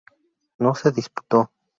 No se disputó.